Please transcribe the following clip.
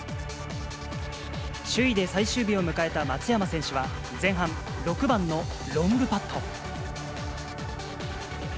首位で最終日を迎えた松山選手は、前半、６番のロングパット。